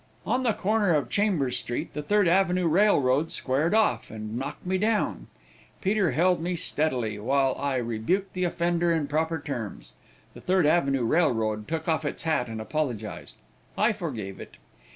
On the corner of Chambers street the Third Avenue Railroad squared off, and knocked me down. Peter held me steady, while I rebuked the offender in proper terms. The Third Avenue Railroad took off its hat and apologized. I forgave it.